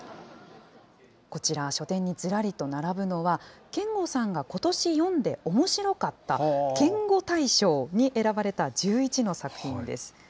こちら、書店にずらりと並ぶのは、けんごさんがことし読んでおもしろかった、けんご大賞に選ばれた１１の作品です。